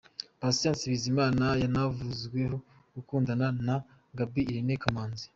Patient Bizimana yanavuzweho gukundana na Gaby Irene Kamanzi.